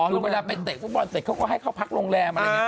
อ๋อแล้วก็เวลาเป็นเสกธุรกีศภูมิบรรดีเต็กเขาก็ให้พักโรงแรม